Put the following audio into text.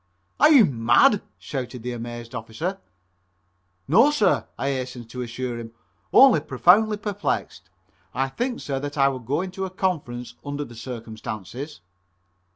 "Are you mad?" shouted the amazed officer. "No, sir," I hastened to assure him, "only profoundly perplexed. I think, sir, that I would go into a conference, under the circumstances."